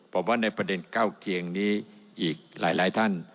ผมว่าในประเด็นเก้าเคียงนี้อีกหลายท่าน